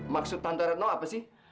maksud tante retno apa sih